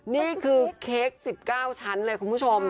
นี่คือเค้ก๑๙ชั้นเลยคุณผู้ชม